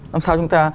làm sao chúng ta